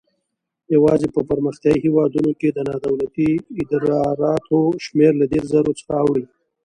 یوازې په پرمختیایي هیوادونو کې د نادولتي ادراراتو شمېر له دېرش زرو څخه اوړي.